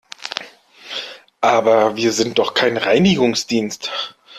Aber wir sind doch kein Reinigungsdienst!